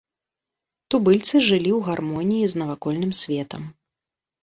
Тубыльцы жылі ў гармоніі з навакольным светам.